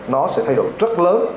nó sẽ thay đổi rất lớn